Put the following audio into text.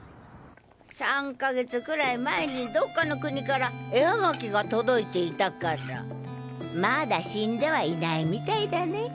３か月くらい前にどっかの国から絵ハガキが届いていたからまだ死んではいないみたいだね。